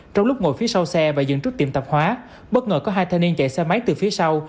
trong lúc ngồi phía sau xe và dựng trước tiệm tạp hóa bất ngờ có hai thanh niên chạy xe máy từ phía sau